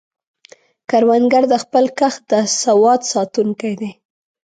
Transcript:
کروندګر د خپل کښت د سواد ساتونکی دی